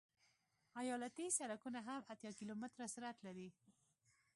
ایالتي سرکونه هم اتیا کیلومتره سرعت لري